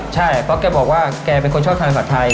ใช่เพราะแกบอกว่าแกเป็นคนชอบทานผัดไทย